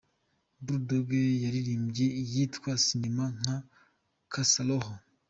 Bull Dogg yaririmbye iyitwa ‘Sinema’ na ‘Kaza Roho’.